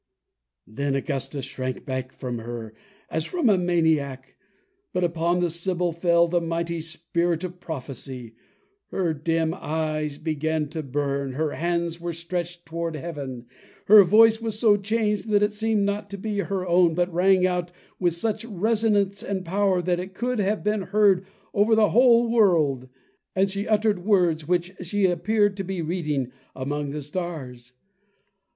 Then Augustus shrank back from her, as from a maniac. But upon the sibyl fell the mighty spirit of prophecy. Her dim eyes began to burn, her hands were stretched toward heaven, her voice was so changed that it seemed not to be her own, but rang out with such resonance and power that it could have been heard over the whole world. And she uttered words which she appeared to be reading among the stars.